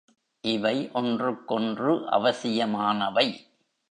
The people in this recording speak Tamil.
இவை ஒன்றுக் கொன்று அவசியமானவை.